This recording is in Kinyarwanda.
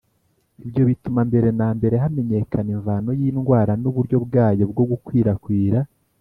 ibyo bituma mbere na mbere hamenyekana imvano y’indwara n’uburyo bwayo bwo gukwirakwira.